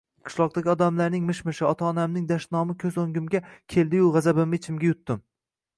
Qishloqdagi odamlarning mish-mishi, ota-onamning dashnomi koʻz oʻngimga keldiyu gʻazabimni ichimga yutdim.